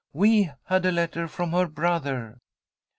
We had a letter from her brother."